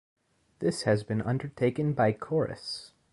This has been undertaken by Corus.